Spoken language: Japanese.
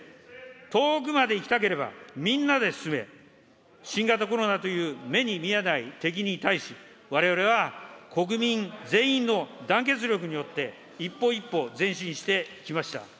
遠くまで行きたければみんなで進め。新型コロナという目に見えない敵に対し、われわれは、国民全員の団結力によって、一歩一歩前進してきました。